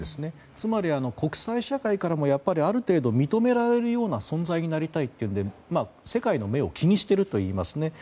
つまりは国際社会からもある程度認められるような存在になりたいというので世界の目を気にしているといいますね。